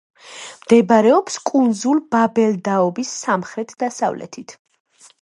მდებარეობს კუნძულ ბაბელდაობის სამხრეთ-დასავლეთით.